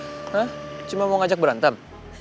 nah cuma mau ngajak berantem